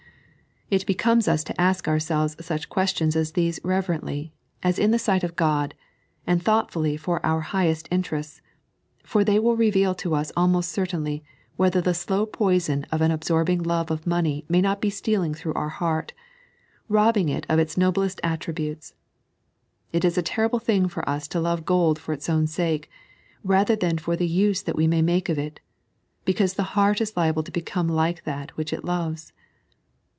It becomes us to aak ourselves such questions as these reverently, as in the sight of God, and thoughtfully for our own highest interests ; for they will reveal to us almost cer tainly whether the slow poison of an absorbing love of money may not be stealing through our heart, robbing it of its noblest attributes. It is a terrible thing for us to love gold for its own sake, rather than fcr the use that we may make of it, because the heart is liable to become like that which it loves.